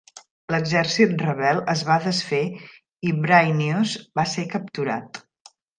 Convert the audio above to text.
L'exèrcit rebel es va desfer i Bryennios va ser capturat.